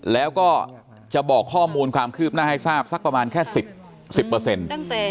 แล้วก็จะบอกข้อมูลความคืบหน้าให้ทราบสักประมาณแค่สิบสิบเปอร์เซ็นต์